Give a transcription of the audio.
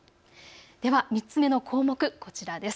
では３つ目の項目、こちらです。